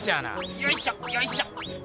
よいしょよいしょ。